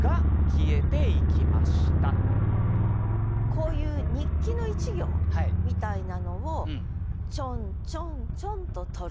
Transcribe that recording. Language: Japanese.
こういう日記の１行みたいなのをちょんちょんちょんと取ると。